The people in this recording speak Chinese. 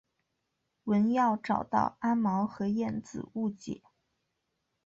文耀找到阿毛和燕子误解。